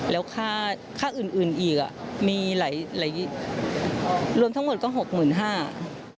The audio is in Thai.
แล้วค่าอื่นอีกรวมทั้งหมดก็๖๕๐๐๐บาท